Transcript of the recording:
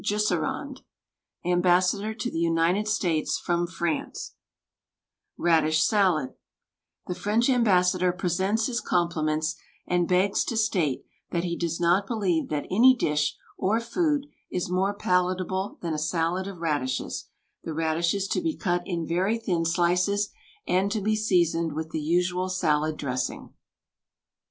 Jusserand (Ambassador to the United States from France) RADISH SALAD The French ambassador presents his compliments and begs to state that he does not believe that any dish, or food, is more palatable than a salad of radishes, the radishes to be cut in very thin slices and to be seasoned with the usual salad dressing.